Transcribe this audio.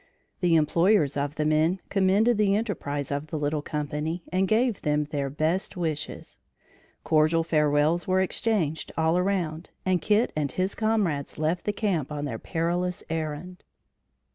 The employers of the men commended the enterprise of the little company and gave them their best wishes. Cordial farewells were exchanged all around, and Kit and his comrades left the camp on their perilous errand.